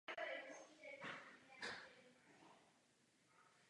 Je nutno s nimi bojovat.